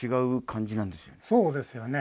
そうですよね。